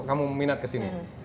kamu minat kesini